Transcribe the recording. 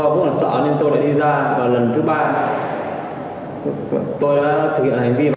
xong xong xong hôm sau thì tầm khoảng